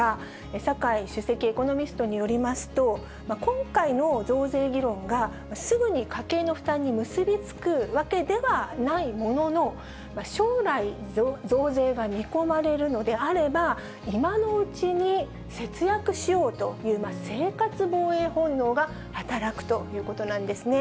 酒井首席エコノミストによりますと、今回の増税議論がすぐに家計の負担に結び付くわけではないものの、将来、増税が見込まれるのであれば、今のうちに節約しようという生活防衛本能が働くということなんですね。